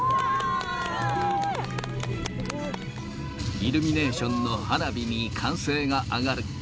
イルミネーションの花火に歓声が上がる。